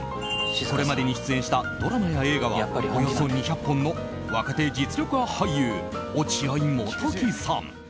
これまでに出演したドラマや映画はおよそ２００本の若手実力派俳優、落合モトキさん。